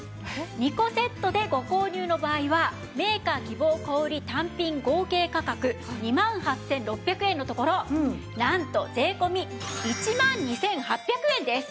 ２個セットでご購入の場合はメーカー希望小売単品合計価格２万８６００円のところなんと税込１万２８００円です。